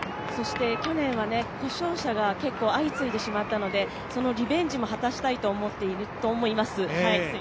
去年は故障者が結構相次いでしまったので、そのリベンジも果たしたいと思っていると思います。